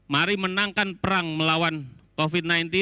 mari menangkan perang melawan covid sembilan belas